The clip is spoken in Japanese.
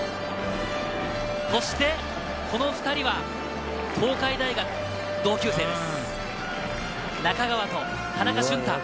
そしてこの２人は東海大学同級生です。